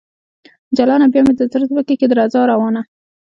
جلانه ! بیا مې د زړه ځمکه کې درزا روانه